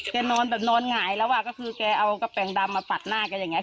นอนแบบนอนหงายแล้วอ่ะก็คือแกเอากระแปงดำมาปัดหน้าแกอย่างเงี